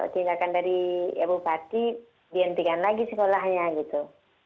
tinggalkan dari ibu basti dihentikan lagi sekolahnya gitu